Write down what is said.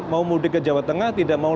mau mudik ke jawa tengah tidak mau